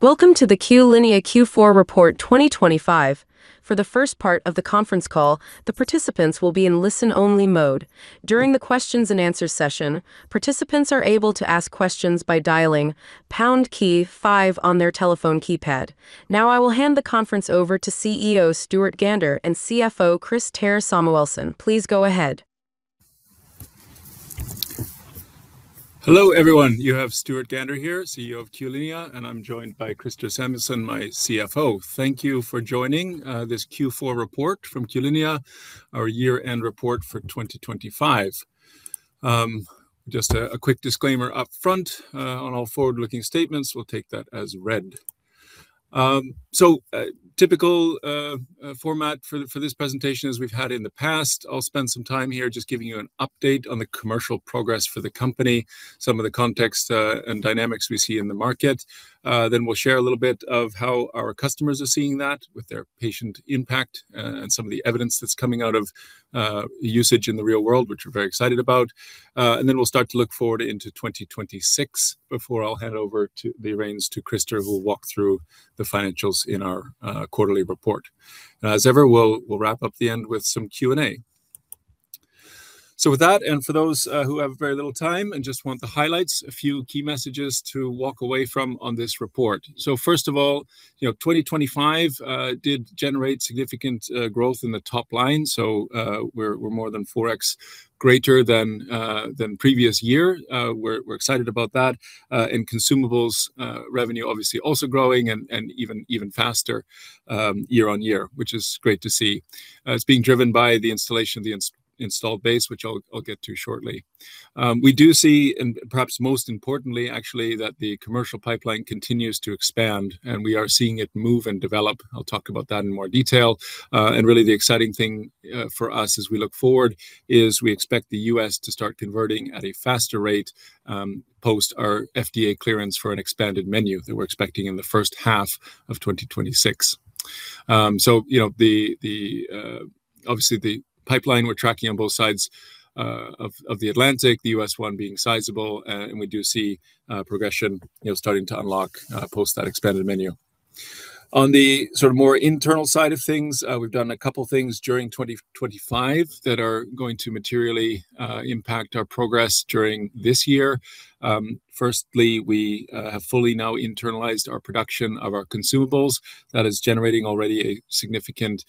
Welcome to the Q-linea Q4 Report 2025. For the first part of the conference call, the participants will be in listen-only mode. During the questions and answers session, participants are able to ask questions by dialing pound key five on their telephone keypad. Now, I will hand the conference over to CEO Stuart Gander and CFO Christer Samuelsson. Please go ahead. Hello, everyone. You have Stuart Gander here, CEO of Q-linea, and I'm joined by Christer Samuelsson, my CFO. Thank you for joining this Q4 report from Q-linea, our year-end report for 2025. Just a quick disclaimer up front on all forward-looking statements; we'll take that as read. So, typical format for this presentation as we've had in the past, I'll spend some time here just giving you an update on the commercial progress for the company, some of the context and dynamics we see in the market. Then we'll share a little bit of how our customers are seeing that with their patient impact and some of the evidence that's coming out of usage in the real world, which we're very excited about. And then we'll start to look forward into 2026, before I'll hand over the reins to Christer, who will walk through the financials in our quarterly report. As ever, we'll wrap up the end with some Q&A. So with that, and for those who have very little time and just want the highlights, a few key messages to walk away from on this report. So first of all, you know, 2025 did generate significant growth in the top line, so we're more than 4x greater than previous year. We're excited about that. And consumables revenue, obviously, also growing and even faster year on year, which is great to see. It's being driven by the installation of the installed base, which I'll get to shortly. We do see, and perhaps most importantly, actually, that the commercial pipeline continues to expand, and we are seeing it move and develop. I'll talk about that in more detail. Really, the exciting thing, for us as we look forward is we expect the U.S. to start converting at a faster rate, post our FDA clearance for an expanded menu that we're expecting in the first half of 2026. So you know, obviously, the pipeline we're tracking on both sides of the Atlantic, the U.S. one being sizable, and we do see, progression, you know, starting to unlock, post that expanded menu. On the sort of more internal side of things, we've done a couple things during 2025 that are going to materially, impact our progress during this year. Firstly, we have fully now internalized our production of our consumables. That is generating already a significant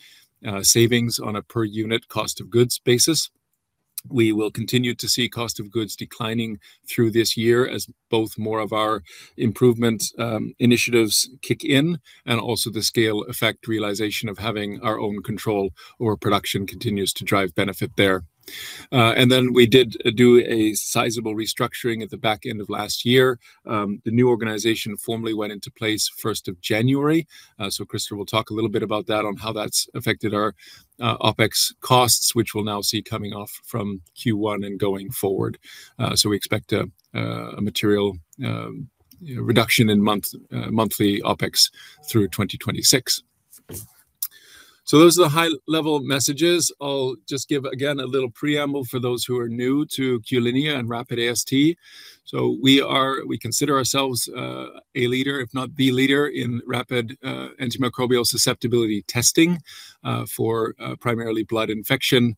savings on a per unit cost of goods basis. We will continue to see cost of goods declining through this year as both more of our improvement initiatives kick in, and also the scale effect realization of having our own control over production continues to drive benefit there. And then we did do a sizable restructuring at the back end of last year. The new organization formally went into place 1st of January. So Christer will talk a little bit about that, on how that's affected our OpEx costs, which we'll now see coming off from Q1 and going forward. So we expect a material reduction in monthly OpEx through 2026. So those are the high-level messages. I'll just give, again, a little preamble for those who are new to Q-linea and Rapid AST. So we consider ourselves a leader, if not the leader, in rapid antimicrobial susceptibility testing for primarily blood infection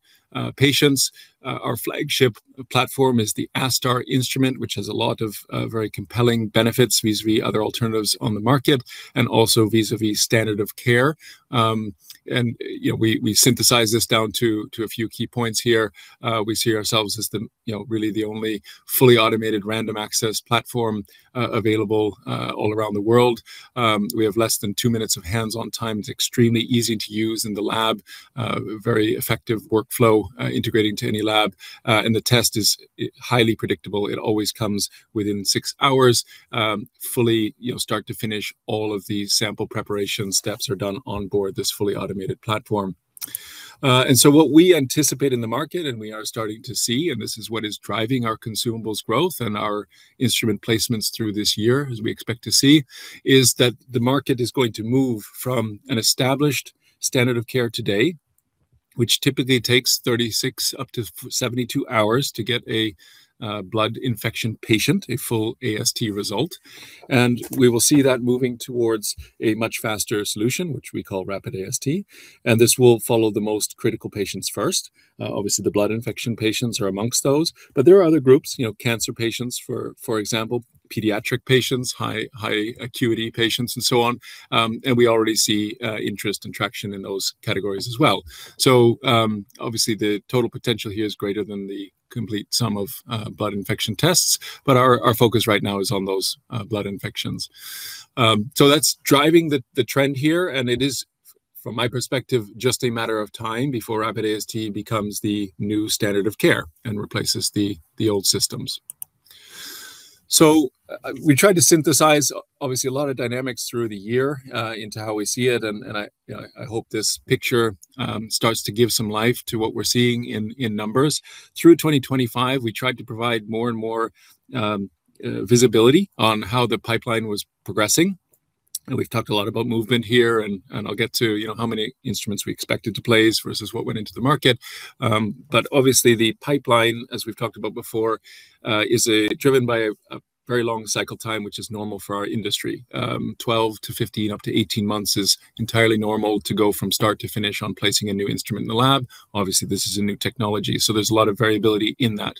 patients. Our flagship platform is the ASTar instrument, which has a lot of very compelling benefits vis-à-vis other alternatives on the market and also vis-à-vis standard of care. And, you know, we synthesize this down to a few key points here. We see ourselves as, you know, really the only fully automated random access platform available all around the world. We have less than two minutes of hands-on time. It's extremely easy to use in the lab, very effective workflow integrating to any lab, and the test is highly predictable. It always comes within six hours, fully, you know, start to finish. All of the sample preparation steps are done on board this fully automated platform. And so what we anticipate in the market, and we are starting to see, and this is what is driving our consumables growth and our instrument placements through this year, as we expect to see, is that the market is going to move from an established standard of care today, which typically takes 36 to 72 hours to get a blood infection patient a full AST result. And we will see that moving towards a much faster solution, which we call Rapid AST, and this will follow the most critical patients first. Obviously, the blood infection patients are among those, but there are other groups, you know, cancer patients, for example, pediatric patients, high acuity patients, and so on, and we already see interest and traction in those categories as well. So, obviously, the total potential here is greater than the complete sum of blood infection tests, but our focus right now is on those blood infections. So that's driving the trend here, and it is, from my perspective, just a matter of time before Rapid AST becomes the new standard of care and replaces the old systems. So, we tried to synthesize, obviously, a lot of dynamics through the year into how we see it, and I hope this picture starts to give some life to what we're seeing in numbers. Through 2025, we tried to provide more and more visibility on how the pipeline was progressing. We've talked a lot about movement here, and I'll get to, you know, how many instruments we expected to place versus what went into the market. But obviously, the pipeline, as we've talked about before, is driven by a very long cycle time, which is normal for our industry. 12 to 15, up to 18 months is entirely normal to go from start to finish on placing a new instrument in the lab. Obviously, this is a new technology, so there's a lot of variability in that.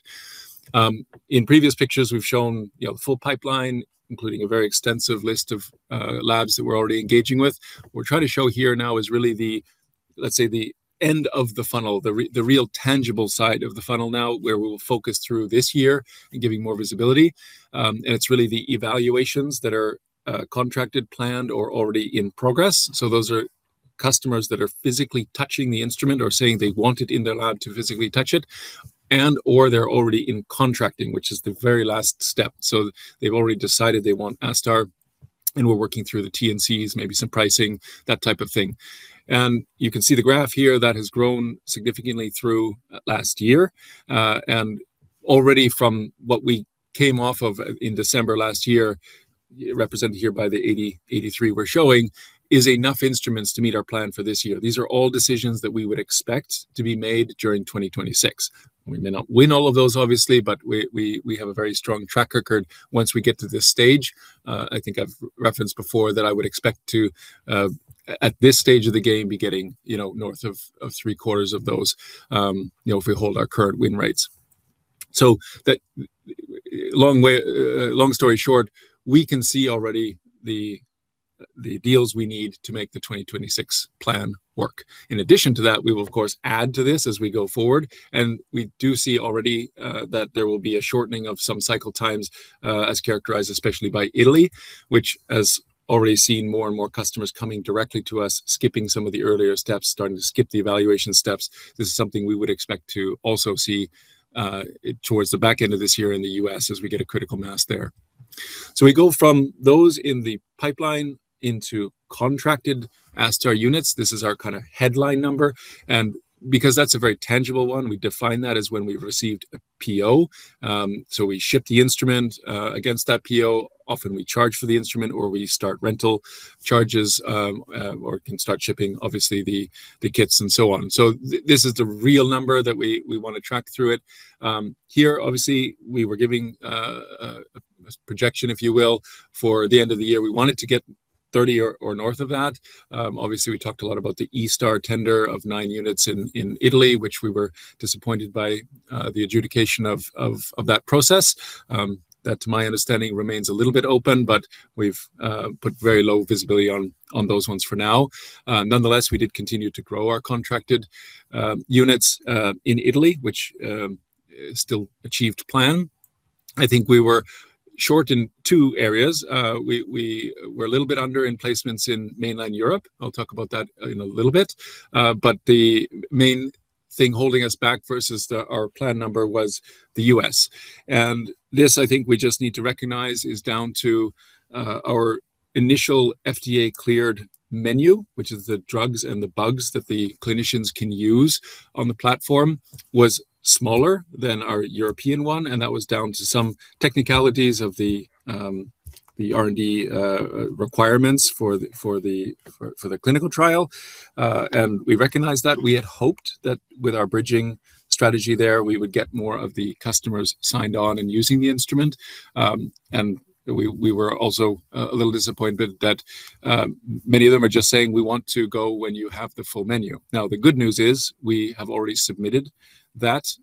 In previous pictures, we've shown, you know, the full pipeline, including a very extensive list of labs that we're already engaging with. What we're trying to show here now is really the, let's say, the end of the funnel, the real tangible side of the funnel now, where we will focus through this year and giving more visibility. And it's really the evaluations that are contracted, planned, or already in progress. So those are customers that are physically touching the instrument or saying they want it in their lab to physically touch it, and/or they're already in contracting, which is the very last step. So they've already decided they want ASTar, and we're working through the T&Cs, maybe some pricing, that type of thing. And you can see the graph here that has grown significantly through last year. And already from what we came off of, in December last year, represented here by the 83 we're showing, is enough instruments to meet our plan for this year. These are all decisions that we would expect to be made during 2026. We may not win all of those, obviously, but we have a very strong track record once we get to this stage. I think I've referenced before that I would expect to, at this stage of the game, be getting, you know, north of three-quarters of those, you know, if we hold our current win rates. So that, long story short, we can see already the deals we need to make the 2026 plan work. In addition to that, we will, of course, add to this as we go forward, and we do see already that there will be a shortening of some cycle times as characterized especially by Italy, which has already seen more and more customers coming directly to us, skipping some of the earlier steps, starting to skip the evaluation steps. This is something we would expect to also see towards the back end of this year in the U.S. as we get a critical mass there. So we go from those in the pipeline into contracted ASTar units. This is our kind of headline number, and because that's a very tangible one, we define that as when we've received a PO. So we ship the instrument against that PO. Often, we charge for the instrument, or we start rental charges, or can start shipping, obviously, the kits and so on. So this is the real number that we want to track through it. Here, obviously, we were giving a projection, if you will, for the end of the year. We wanted to get 30 or north of that. Obviously, we talked a lot about the ESTAR tender of 9 units in Italy, which we were disappointed by the adjudication of that process. That, to my understanding, remains a little bit open, but we've put very low visibility on those ones for now. Nonetheless, we did continue to grow our contracted units in Italy, which still achieved plan. I think we were short in two areas. We were a little bit under in placements in mainland Europe. I'll talk about that in a little bit. But the main thing holding us back versus our plan number was the U.S. And this, I think we just need to recognize, is down to our initial FDA-cleared menu, which is the drugs and the bugs that the clinicians can use on the platform, was smaller than our European one, and that was down to some technicalities of the R&D requirements for the clinical trial. We recognized that. We had hoped that with our bridging strategy there, we would get more of the customers signed on and using the instrument. And we were also a little disappointed that many of them are just saying, "We want to go when you have the full menu." Now, the good news is we have already submitted that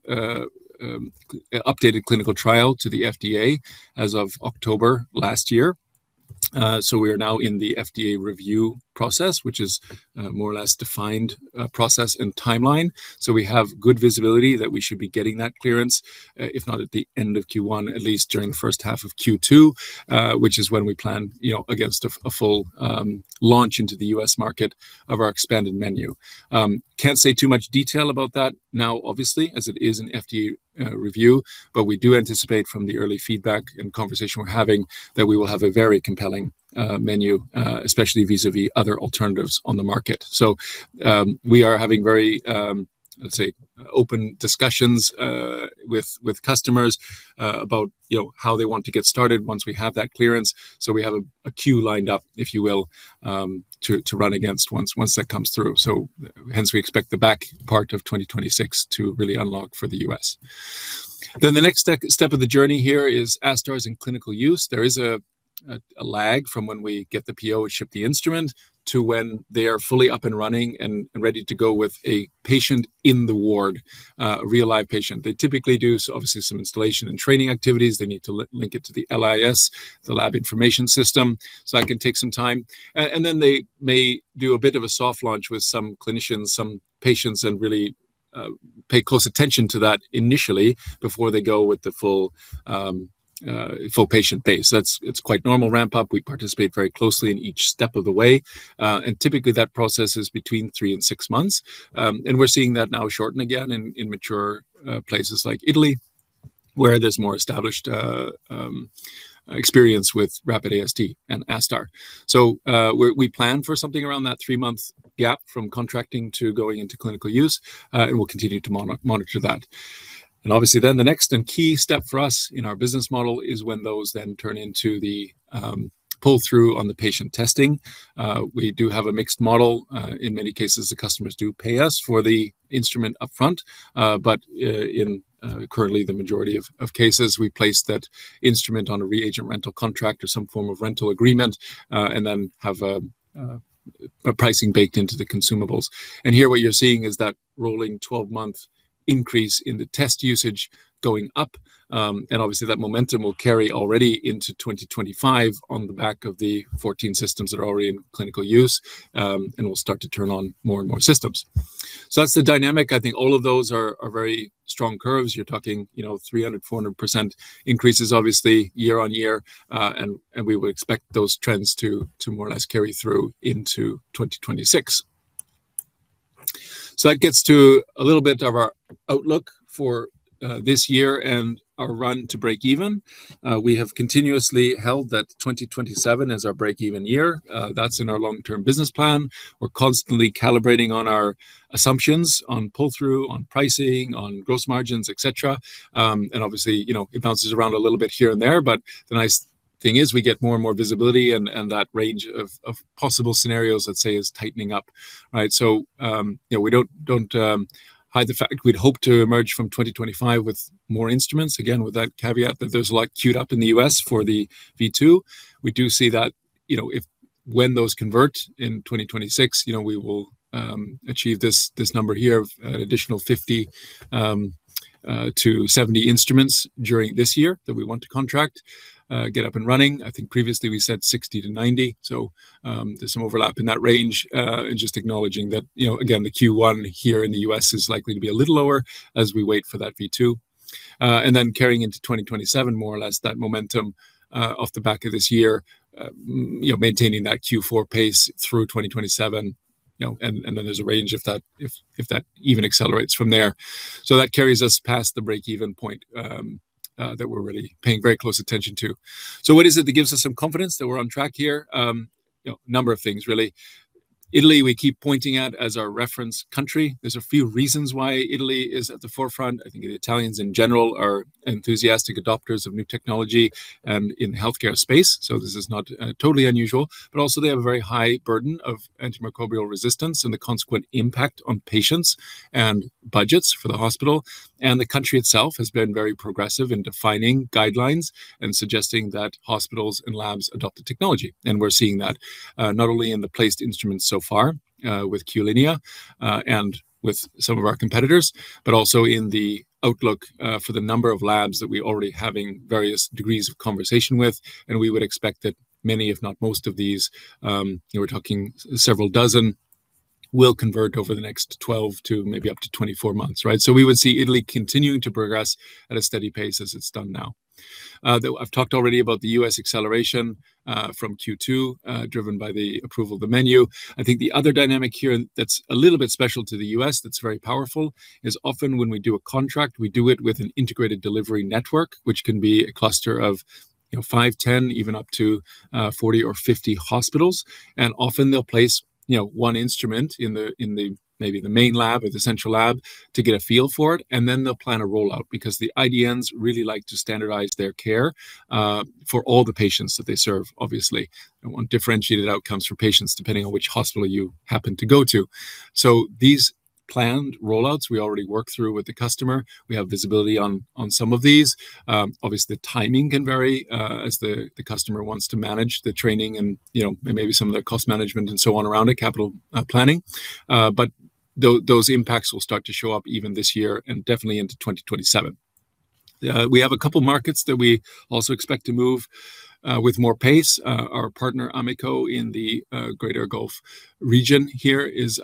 updated clinical trial to the FDA as of October last year. So we are now in the FDA review process, which is more or less defined process and timeline. So we have good visibility that we should be getting that clearance, if not at the end of Q1, at least during the first half of Q2, which is when we plan, you know, against a full launch into the US market of our expanded menu. Can't say too much detail about that now, obviously, as it is an FDA review, but we do anticipate from the early feedback and conversation we're having, that we will have a very compelling menu, especially vis-à-vis other alternatives on the market. So, we are having very, let's say, open discussions with customers about, you know, how they want to get started once we have that clearance. So we have a queue lined up, if you will, to run against once that comes through. So hence, we expect the back part of 2026 to really unlock for the U.S. Then, the next step of the journey here is ASTar's in clinical use. There is a lag from when we get the PO and ship the instrument to when they are fully up and running and ready to go with a patient in the ward, a real live patient. They typically do so, obviously, some installation and training activities. They need to link it to the LIS, the Laboratory Information System, so that can take some time. And then they may do a bit of a soft launch with some clinicians, some patients, and really pay close attention to that initially before they go with the full patient base. That's. It's quite normal ramp-up. We participate very closely in each step of the way, and typically that process is between three and six months. And we're seeing that now shorten again in mature places like Italy, where there's more established experience with Rapid AST and ASTar. We plan for something around that three-month gap from contracting to going into clinical use, and we'll continue to monitor that. And obviously then the next and key step for us in our business model is when those then turn into the pull-through on the patient testing. We do have a mixed model. In many cases, the customers do pay us for the instrument upfront, but in currently the majority of cases, we place that instrument on a reagent rental contract or some form of rental agreement, and then have a pricing baked into the consumables. And here what you're seeing is that rolling 12-month increase in the test usage going up, and obviously, that momentum will carry already into 2025 on the back of the 14 systems that are already in clinical use, and will start to turn on more and more systems. So that's the dynamic. I think all of those are, are very strong curves. You're talking, you know, 300%, 400% increases, obviously, year-on-year, and, and we would expect those trends to, to more or less carry through into 2026. So that gets to a little bit of our outlook for, this year and our run to breakeven. We have continuously held that 2027 is our breakeven year. That's in our long-term business plan. We're constantly calibrating on our assumptions, on pull-through, on pricing, on gross margins, et cetera. And obviously, you know, it bounces around a little bit here and there, but the nice thing is we get more and more visibility and that range of possible scenarios, let's say, is tightening up, right? So, you know, we don't hide the fact we'd hope to emerge from 2025 with more instruments. Again, with that caveat that there's a lot queued up in the U.S. for the V2. We do see that, you know, if when those convert in 2026, you know, we will achieve this number here of an additional 50 to 70 instruments during this year that we want to contract, get up and running. I think previously we said 60 to 90, so, there's some overlap in that range. And just acknowledging that, you know, again, the Q1 here in the U.S. is likely to be a little lower as we wait for that V2. And then carrying into 2027, more or less, that momentum, off the back of this year, you know, maintaining that Q4 pace through 2027, you know, and then there's a range if that even accelerates from there. So that carries us past the breakeven point, that we're really paying very close attention to. So what is it that gives us some confidence that we're on track here? You know, a number of things, really. Italy, we keep pointing at as our reference country. There's a few reasons why Italy is at the forefront. I think the Italians in general are enthusiastic adopters of new technology, in the healthcare space, so this is not, totally unusual. But also they have a very high burden of antimicrobial resistance and the consequent impact on patients and budgets for the hospital. And the country itself has been very progressive in defining guidelines and suggesting that hospitals and labs adopt the technology, and we're seeing that, not only in the placed instruments so far, with Q-linea, and with some of our competitors, but also in the outlook, for the number of labs that we're already having various degrees of conversation with, and we would expect that many, if not most of these, we're talking several dozen, will convert over the next 12 to maybe up to 24 months, right? So we would see Italy continuing to progress at a steady pace as it's done now. I've talked already about the U.S. acceleration from Q2, driven by the approval of the menu. I think the other dynamic here, and that's a little bit special to the U.S., that's very powerful, is often when we do a contract, we do it with an integrated delivery network, which can be a cluster of, you know, 5, 10, even up to 40 or 50 hospitals. Often they'll place, you know, one instrument in the main lab, maybe, or the central lab to get a feel for it, and then they'll plan a rollout, because the IDNs really like to standardize their care for all the patients that they serve, obviously. They want differentiated outcomes for patients, depending on which hospital you happen to go to. So these planned rollouts, we already work through with the customer. We have visibility on some of these. Obviously, the timing can vary, as the customer wants to manage the training and, you know, maybe some of the cost management and so on around it, capital planning. But those impacts will start to show up even this year and definitely into 2027. We have a couple markets that we also expect to move with more pace. Our partner, Amico, in the Greater Gulf region here, is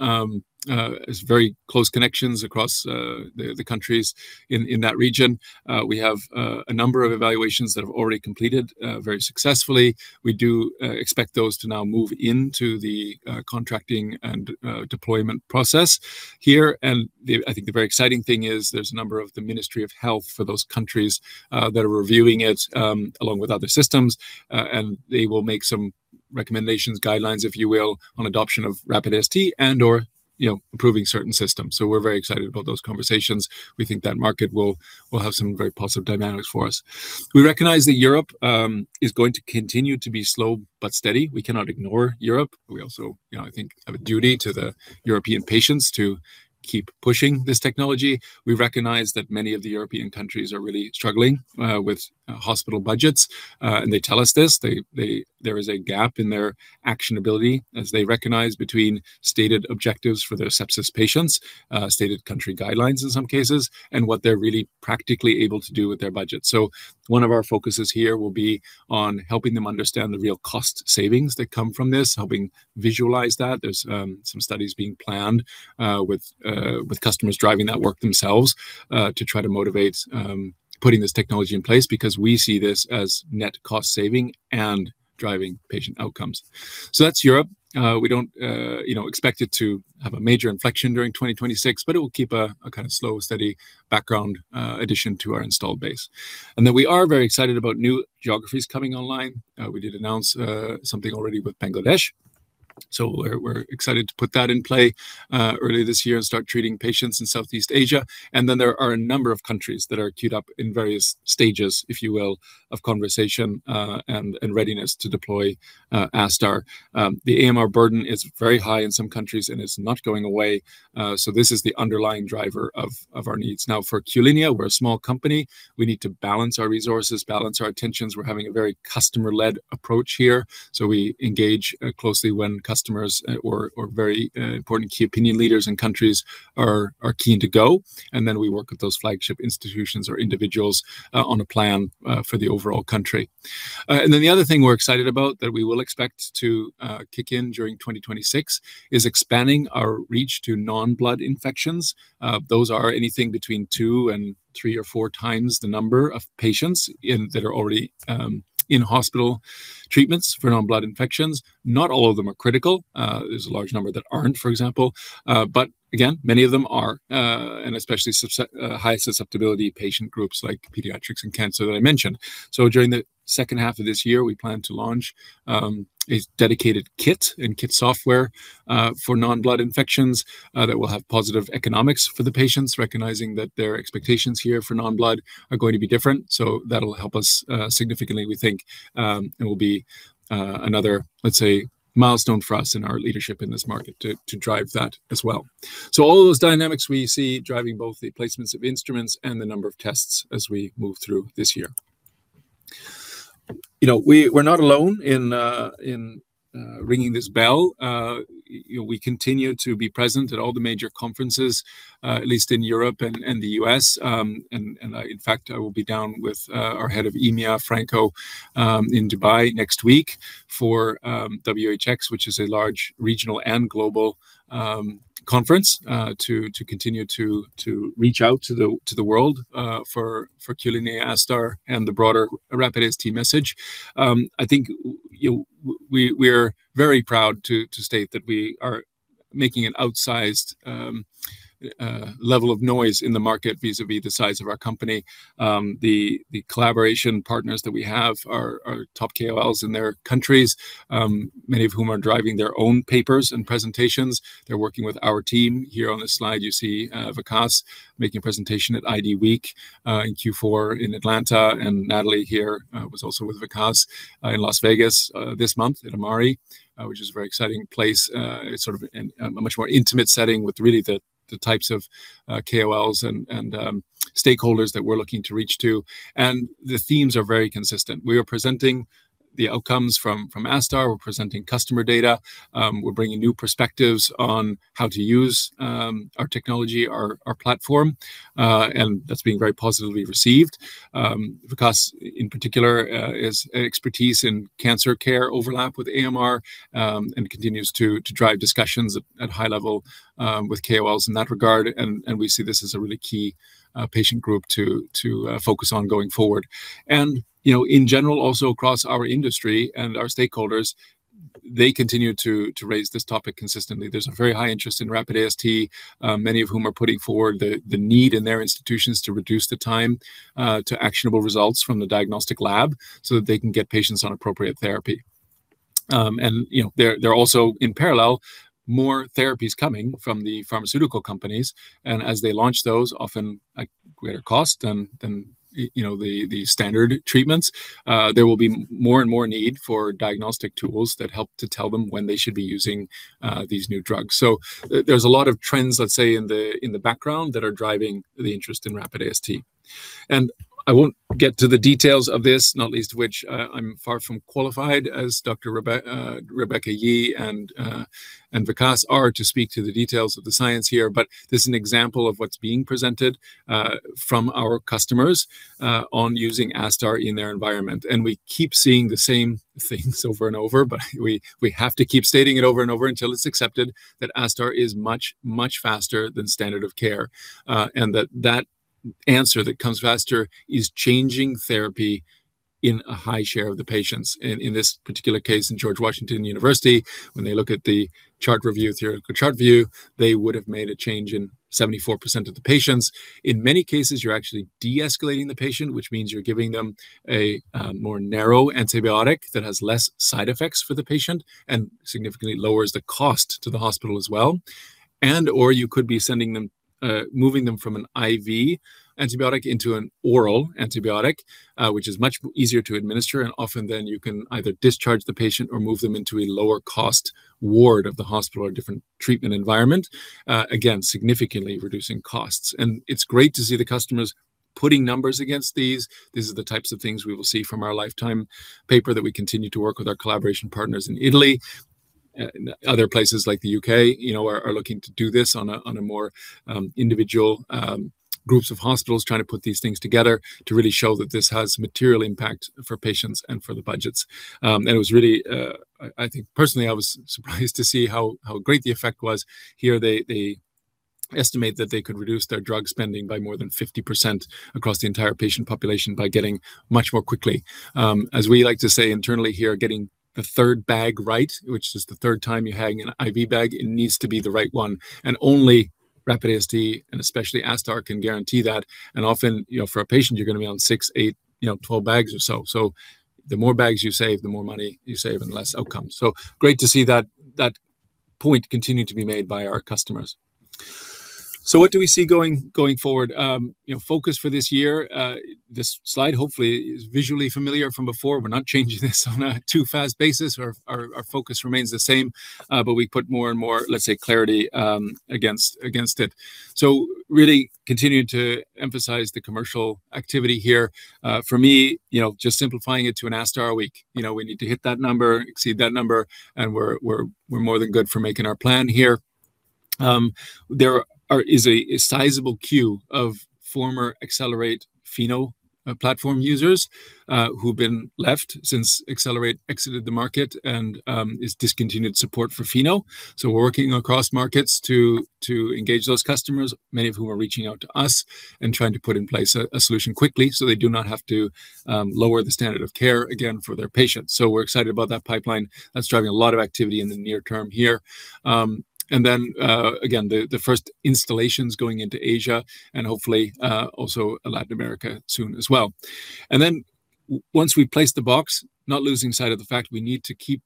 very close connections across the countries in that region. We have a number of evaluations that have already completed very successfully. We do expect those to now move into the contracting and deployment process here. And, I think, the very exciting thing is there's a number of the Ministry of Health for those countries that are reviewing it along with other systems and they will make some recommendations, guidelines, if you will, on adoption of Rapid AST and/or, you know, approving certain systems. So we're very excited about those conversations. We think that market will have some very positive dynamics for us. We recognize that Europe is going to continue to be slow but steady. We cannot ignore Europe. We also, you know, I think, have a duty to the European patients to keep pushing this technology. We recognize that many of the European countries are really struggling with hospital budgets and they tell us this. They, they there is a gap in their actionability as they recognize between stated objectives for their sepsis patients, stated country guidelines in some cases, and what they're really practically able to do with their budget. So one of our focuses here will be on helping them understand the real cost savings that come from this, helping visualize that. There's some studies being planned, with with customers driving that work themselves, to try to motivate, putting this technology in place because we see this as net cost saving and driving patient outcomes. So that's Europe. We don't, you know, expect it to have a major inflection during 2026, but it will keep a kind of slow, steady background, addition to our installed base. And then we are very excited about new geographies coming online. We did announce something already with Bangladesh. So we're excited to put that in play early this year and start treating patients in Southeast Asia. And then there are a number of countries that are queued up in various stages, if you will, of conversation, and readiness to deploy ASTar. The AMR burden is very high in some countries, and it's not going away, so this is the underlying driver of our needs. Now, for Q-linea, we're a small company. We need to balance our resources, balance our attentions. We're having a very customer-led approach here, so we engage closely when customers or very important key opinion leaders in countries are keen to go, and then we work with those flagship institutions or individuals on a plan for the overall country. And then the other thing we're excited about that we will expect to kick in during 2026 is expanding our reach to non-blood infections. Those are anything between two and three or four times the number of patients in that are already in hospital treatments for non-blood infections. Not all of them are critical. There's a large number that aren't, for example. But again, many of them are, and especially high susceptibility patient groups like pediatrics and cancer that I mentioned. So during the second half of this year, we plan to launch a dedicated kit and kit software for non-blood infections that will have positive economics for the patients, recognizing that their expectations here for non-blood are going to be different. So that'll help us, significantly, we think, and will be, another, let's say, milestone for us in our leadership in this market to drive that as well. So all of those dynamics we see driving both the placements of instruments and the number of tests as we move through this year. You know, we're not alone in ringing this bell. You know, we continue to be present at all the major conferences, at least in Europe and, in fact, I will be down with our head of EMEA, Franco, in Dubai next week for WHX, which is a large regional and global conference, to continue to reach out to the world for Q-linea, ASTar, and the broader Rapid AST message. I think we're very proud to state that we are making an outsized level of noise in the market vis-à-vis the size of our company. The collaboration partners that we have are top KOLs in their countries, many of whom are driving their own papers and presentations. They're working with our team. Here on this slide, you see Vikas making a presentation at IDWeek in Q4 in Atlanta, and Natalie here was also with Vikas in Las Vegas this month at AMARI, which is a very exciting place. It's sort of in a much more intimate setting with really the types of KOLs and stakeholders that we're looking to reach to, and the themes are very consistent. We are presenting the outcomes from ASTar. We're presenting customer data. We're bringing new perspectives on how to use our technology, our platform, and that's being very positively received. Vikas, in particular, his expertise in cancer care overlap with AMR, and continues to drive discussions at high level with KOLs in that regard, and we see this as a really key patient group to focus on going forward. You know, in general, also across our industry and our stakeholders, they continue to raise this topic consistently. There's a very high interest in Rapid AST, many of whom are putting forward the need in their institutions to reduce the time to actionable results from the diagnostic lab so that they can get patients on appropriate therapy. And, you know, there are also, in parallel, more therapies coming from the pharmaceutical companies, and as they launch those, often at greater cost than you know, the standard treatments, there will be more and more need for diagnostic tools that help to tell them when they should be using these new drugs. So there's a lot of trends, let's say, in the background that are driving the interest in Rapid AST. And I won't get to the details of this, not least of which, I'm far from qualified as Dr. Rebecca Yee and Vikas are, to speak to the details of the science here. But this is an example of what's being presented from our customers on using ASTar in their environment, and we keep seeing the same things over and over. But we, we have to keep stating it over and over until it's accepted that ASTar is much, much faster than standard of care, and that that answer that comes faster is changing therapy in a high share of the patients. In this particular case, in George Washington University, when they look at the chart review, theoretical chart view, they would have made a change in 74% of the patients. In many cases, you're actually deescalating the patient, which means you're giving them a more narrow antibiotic that has less side effects for the patient and significantly lowers the cost to the hospital as well. And/or you could be sending them, moving them from an IV antibiotic into an oral antibiotic, which is much easier to administer, and often then, you can either discharge the patient or move them into a lower cost ward of the hospital or different treatment environment, again, significantly reducing costs. It's great to see the customers putting numbers against these. These are the types of things we will see from our lifetime paper that we continue to work with our collaboration partners in Italy, and other places like the U.K., you know, looking to do this on a more individual groups of hospitals, trying to put these things together to really show that this has material impact for patients and for the budgets. And it was really I think personally, I was surprised to see how great the effect was. Here they estimate that they could reduce their drug spending by more than 50% across the entire patient population by getting much more quickly. As we like to say internally here, getting the third bag right, which is the third time you hang an IV bag, it needs to be the right one, and only Rapid AST, and especially ASTar, can guarantee that. And often, you know, for a patient, you're gonna be on six, eight, you know, 12 bags or so. So the more bags you save, the more money you save and less outcomes. So great to see that point continue to be made by our customers. So what do we see going forward? You know, focus for this year, this slide hopefully is visually familiar from before. We're not changing this on a too fast basis. Our focus remains the same, but we put more and more, let's say, clarity against it. So really continuing to emphasize the commercial activity here. For me, you know, just simplifying it to an ASTar week. You know, we need to hit that number, exceed that number, and we're more than good for making our plan here. There is a sizable queue of former Accelerate Pheno platform users who've been left since Accelerate exited the market and is discontinued support for Pheno. So we're working across markets to engage those customers, many of whom are reaching out to us and trying to put in place a solution quickly so they do not have to lower the standard of care again for their patients. So we're excited about that pipeline. That's driving a lot of activity in the near term here. And then, again, the first installations going into Asia and hopefully also Latin America soon as well. And then once we place the box, not losing sight of the fact we need to keep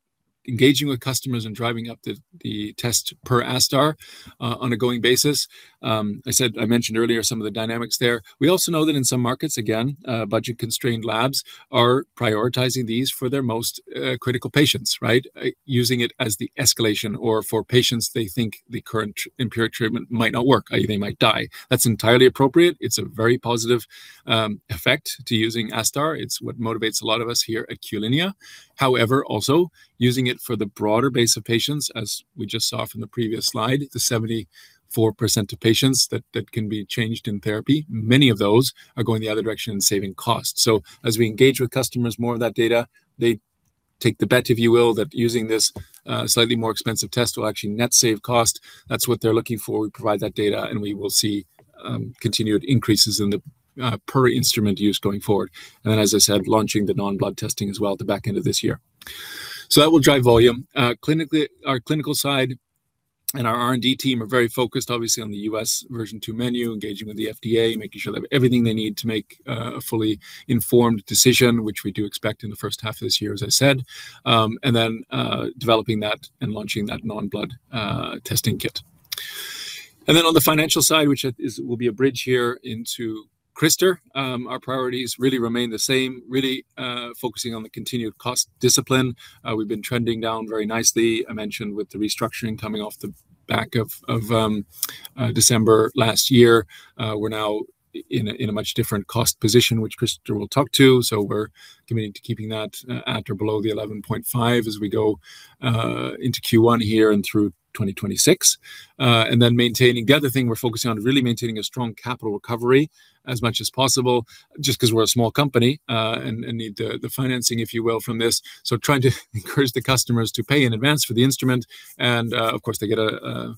engaging with customers and driving up the test per ASTar on a going basis. I mentioned earlier some of the dynamics there. We also know that in some markets, again, budget-constrained labs are prioritizing these for their most critical patients, right? Using it as the escalation or for patients they think the current empiric treatment might not work, they might die. That's entirely appropriate. It's a very positive effect to using ASTar. It's what motivates a lot of us here at Q-linea. However, also, using it for the broader base of patients, as we just saw from the previous slide, the 74% of patients that can be changed in therapy, many of those are going the other direction and saving costs. So as we engage with customers, more of that data, they take the bet, if you will, that using this slightly more expensive test will actually net save cost. That's what they're looking for. We provide that data, and we will see continued increases in the per instrument use going forward. And then, as I said, launching the non-blood testing as well at the back end of this year. So that will drive volume. Clinically, our clinical side and our R&D team are very focused, obviously, on the U.S. version 2 menu, engaging with the FDA, making sure they have everything they need to make a fully informed decision, which we do expect in the first half of this year, as I said. And then, developing that and launching that non-blood testing kit. And then on the financial side, which will be a bridge here into Christer, our priorities really remain the same, really, focusing on the continued cost discipline. We've been trending down very nicely. I mentioned with the restructuring coming off the back of December last year. We're now in a much different cost position, which Christer will talk to, so we're committing to keeping that at or below 11.5 as we go into Q1 here and through 2026. And then maintaining. The other thing we're focusing on is really maintaining a strong capital recovery as much as possible, just 'cause we're a small company and need the financing, if you will, from this. So trying to encourage the customers to pay in advance for the instrument, and, of course, they get to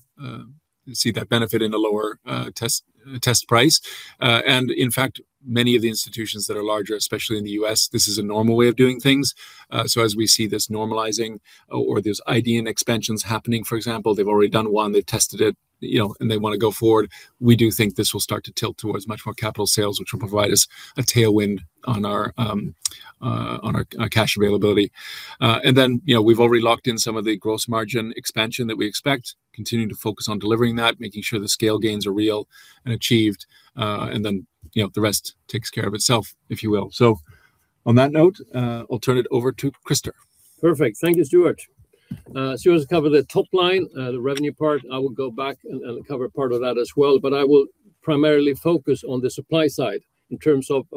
see that benefit in a lower test price. And in fact, many of the institutions that are larger, especially in the U.S., this is a normal way of doing things. So as we see this normalizing or there's IDN expansions happening, for example, they've already done one, they've tested it, you know, and they wanna go forward, we do think this will start to tilt towards much more capital sales, which will provide us a tailwind on our cash availability. And then, you know, we've already locked in some of the gross margin expansion that we expect, continuing to focus on delivering that, making sure the scale gains are real and achieved, and then, you know, the rest takes care of itself, if you will. So on that note, I'll turn it over to Christer. Perfect. Thank you, Stuart. Stuart's covered the top line, the revenue part. I will go back and cover part of that as well, but I will primarily focus on the supply side in terms of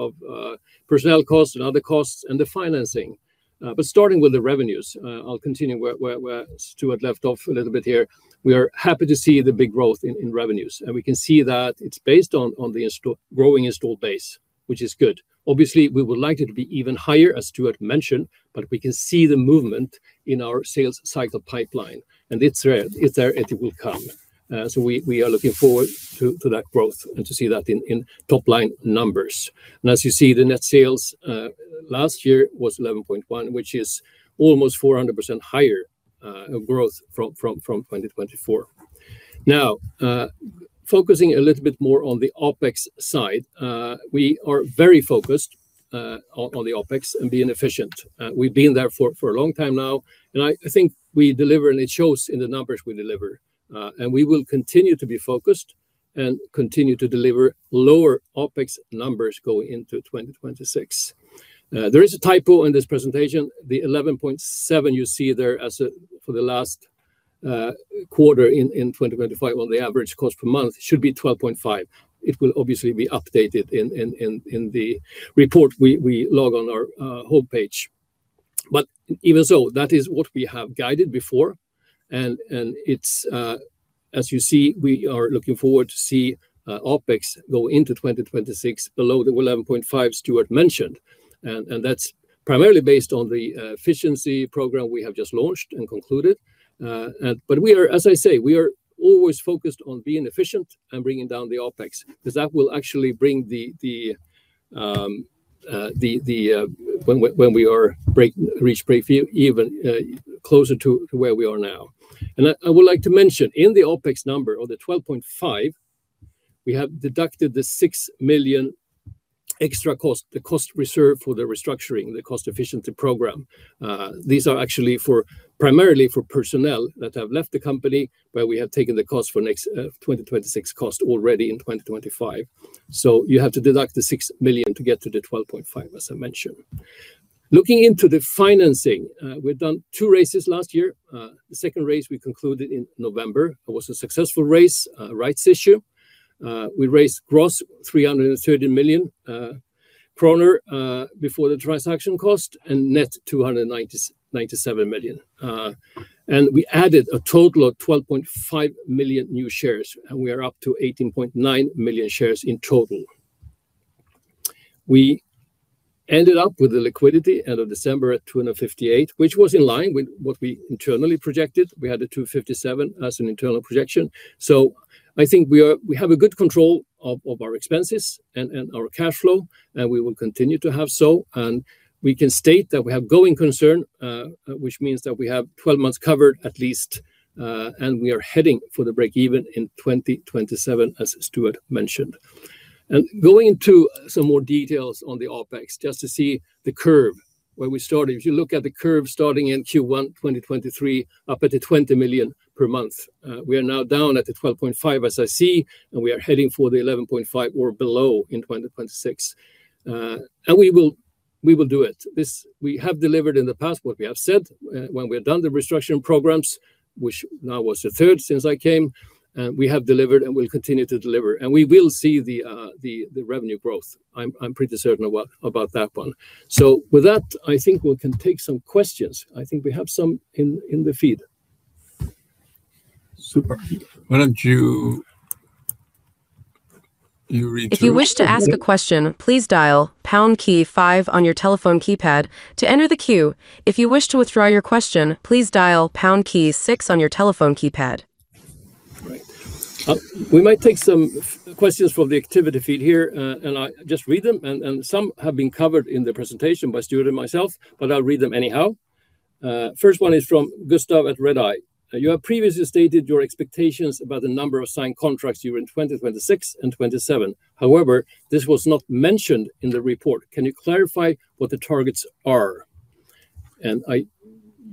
personnel costs and other costs and the financing. But starting with the revenues, I'll continue where Stuart left off a little bit here. We are happy to see the big growth in revenues, and we can see that it's based on the growing installed base, which is good. Obviously, we would like it to be even higher, as Stuart mentioned, but we can see the movement in our sales cycle pipeline, and it's there. It's there, and it will come. So we are looking forward to that growth and to see that in top-line numbers. As you see, the net sales last year was 11.1, which is almost 400% higher growth from 2024. Now, focusing a little bit more on the OpEx side, we are very focused on the OpEx and being efficient. We've been there for a long time now, and I think we deliver, and it shows in the numbers we deliver. And we will continue to be focused and continue to deliver lower OpEx numbers going into 2026. There is a typo in this presentation. The 11.7 you see there as a for the last quarter in 2025, well, the average cost per month should be 12.5. It will obviously be updated in the report we log on our homepage. But even so, that is what we have guided before, and it's as you see, we are looking forward to see OpEx go into 2026 below the 11.5 million Stuart mentioned, and that's primarily based on the efficiency program we have just launched and concluded. But we are, as I say, we are always focused on being efficient and bringing down the OpEx, 'cause that will actually bring the when we reach break even closer to where we are now. And I would like to mention, in the OpEx number, or the 12.5 million, we have deducted the 6 million extra cost, the cost reserve for the restructuring, the cost efficiency program. These are actually for, primarily for personnel that have left the company, where we have taken the cost for next 2026 costs already in 2025. So you have to deduct the 6 million to get to the 12.5, as I mentioned. Looking into the financing, we've done two raises last year. The second raise we concluded in November. It was a successful raise, rights issue. We raised gross 330 million kronor before the transaction cost, and net 297 million. And we added a total of 12.5 million new shares, and we are up to 18.9 million shares in total. We ended up with the liquidity, end of December, at 258 million, which was in line with what we internally projected. We had the 257 as an internal projection. So I think we are—we have a good control of, of our expenses and, and our cash flow, and we will continue to have so. And we can state that we have going concern, which means that we have 12 months covered at least, and we are heading for the break-even in 2027, as Stuart mentioned. And going into some more details on the OpEx, just to see the curve, where we started. If you look at the curve starting in Q1 2023, up at the 20 million per month. We are now down at the 12.5, as I see, and we are heading for the 11.5 or below in 2026. And we will, we will do it. This we have delivered in the past what we have said. When we're done the restructuring programs, which now was the third since I came, and we have delivered and will continue to deliver, and we will see the revenue growth. I'm pretty certain about that one. So with that, I think we can take some questions. I think we have some in the feed. Super. Why don't you read the- If you wish to ask a question, please dial pound key five on your telephone keypad to enter the queue. If you wish to withdraw your question, please dial pound key six on your telephone keypad. Right. We might take some questions from the activity feed here, and I just read them, and some have been covered in the presentation by Stuart and myself, but I'll read them anyhow. First one is from Gustav at Redeye. "You have previously stated your expectations about the number of signed contracts during 2026 and 2027. However, this was not mentioned in the report. Can you clarify what the targets are?" And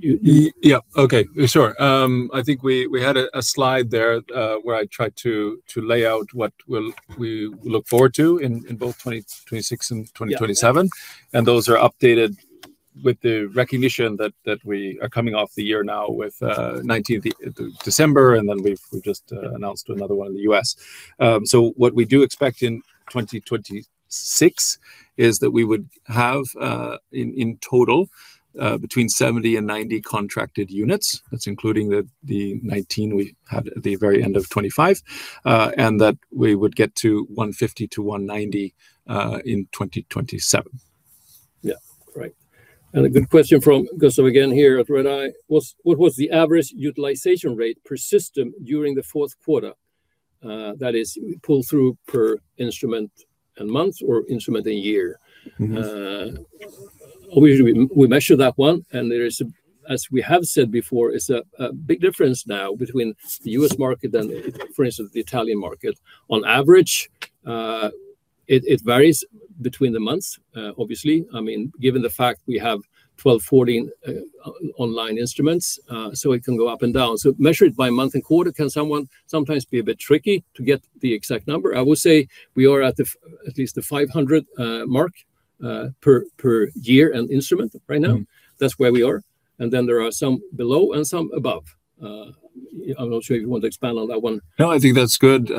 you. Yeah. Okay, sure. I think we had a slide there where I tried to lay out what we look forward to in both 2026 and 2027. Yeah. Those are updated with the recognition that we are coming off the year now with 19 in December, and then we've just announced another one in the US. So what we do expect in 2026 is that we would have, in total, between 70 and 90 contracted units. That's including the 19 we had at the very end of 2025, and that we would get to 150 to 190 in 2027. Yeah. Right. And a good question from Gustav again here at Redeye: "What was the average utilization rate per system during the fourth quarter? That is pull-through per instrument and month or instrument a year. Mm-hmm. We measure that one, and there is, as we have said before, it's a big difference now between the U.S. market than, for instance, the Italian market. On average, it varies between the months, obviously. I mean, given the fact we have 12, 14 online instruments, so it can go up and down. So measured by month and quarter, sometimes be a bit tricky to get the exact number. I would say we are at the, at least the 500 mark, per year and instrument right now. Mm-hmm. That's where we are. And then there are some below and some above. I'm not sure if you want to expand on that one. No, I think that's good.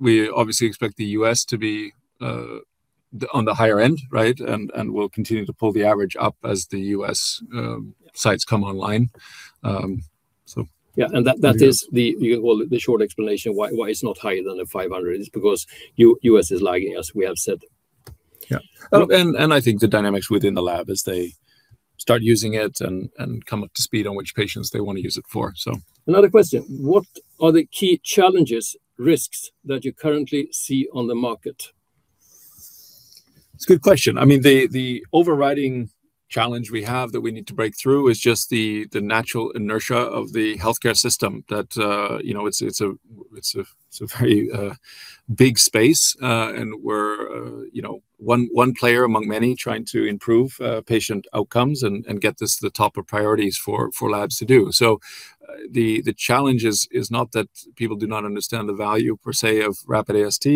We obviously expect the U.S. to be on the higher end, right? And we'll continue to pull the average up as the U.S., Yeah Sites come online. So- Yeah, and that- Yeah That is the, well, the short explanation why, why it's not higher than the 500, is because U.S. is lagging, as we have said. Yeah. Um- I think the dynamics within the lab, as they start using it and come up to speed on which patients they want to use it for, so. Another question: "What are the key challenges, risks that you currently see on the market? It's a good question. I mean, the overriding challenge we have that we need to break through is just the natural inertia of the healthcare system that, you know, it's a very big space. And we're, you know, one player among many trying to improve patient outcomes and get this to the top of priorities for labs to do. So, the challenge is not that people do not understand the value, per se, of Rapid AST,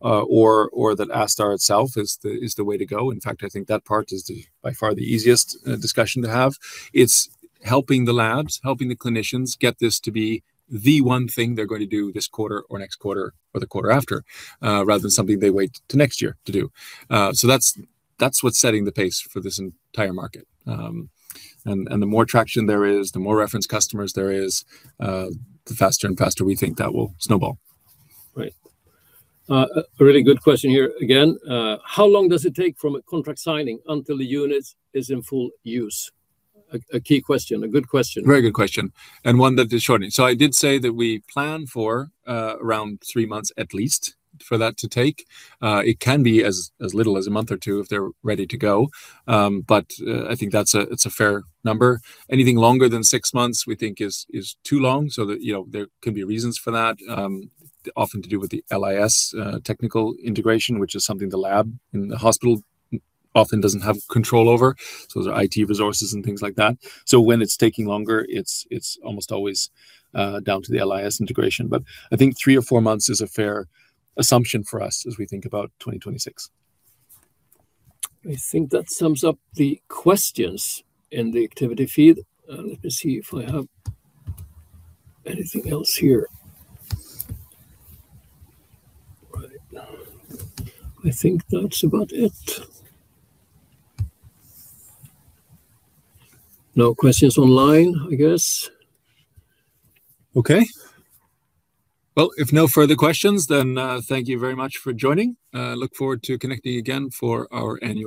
or that ASTar itself is the way to go. In fact, I think that part is by far the easiest discussion to have. It's helping the labs, helping the clinicians get this to be the one thing they're going to do this quarter or next quarter or the quarter after, rather than something they wait to next year to do. So that's, that's what's setting the pace for this entire market. And the more traction there is, the more reference customers there is, the faster and faster we think that will snowball. Right. A really good question here again. "How long does it take from a contract signing until the unit is in full use?" Ah, a key question, a good question. Very good question, and one that is short. So I did say that we plan for around 3 months, at least, for that to take. It can be as little as a month or two if they're ready to go. But I think that's a fair number. Anything longer than 6 months, we think is too long, so that, you know, there can be reasons for that. Often to do with the LIS technical integration, which is something the lab and the hospital often doesn't have control over. So the IT resources and things like that. So when it's taking longer, it's almost always down to the LIS integration. But I think three or four months is a fair assumption for us as we think about 2026. I think that sums up the questions in the activity feed. Let me see if I have anything else here. Right. I think that's about it. No questions online, I guess. Okay. Well, if no further questions, then, thank you very much for joining. Look forward to connecting again for our annual update.